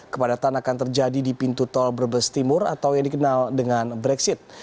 kepadatan akan terjadi di pintu tol brebes timur atau yang dikenal dengan brexit